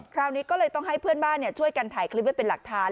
คราวนี้ก็เลยต้องให้เพื่อนบ้านช่วยกันถ่ายคลิปไว้เป็นหลักฐาน